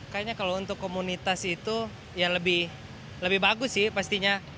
kayaknya kalau untuk komunitas itu ya lebih bagus sih pastinya